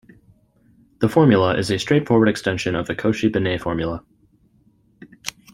This formula is a straightforward extension of the Cauchy-Binet formula.